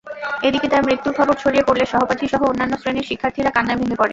এদিকে তার মৃত্যুর খবর ছড়িয়ে পড়লে সহপাঠীসহ অন্যান্য শ্রেণির শিক্ষার্থীরা কান্নায় ভেঙে পড়ে।